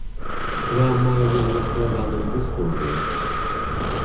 Храм мае вельмі складаную гісторыю.